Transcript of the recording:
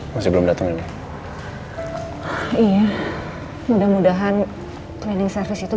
masih belum datang ya ibu